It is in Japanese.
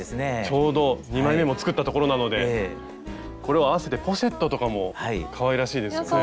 ちょうど２枚めも作ったところなのでこれを合わせてポシェットとかもかわいらしいですよね。